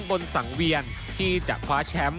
บนสังเวียนที่จะคว้าแชมป์